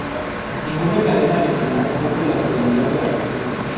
Ninguna cadena regional cubre la totalidad de la región.